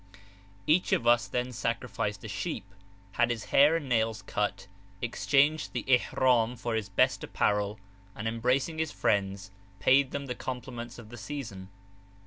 Each of us then sacrificed a sheep, had his hair and nails cut, exchanged the ihram for his best apparel, and, embracing his friends, paid them the compliments of the season.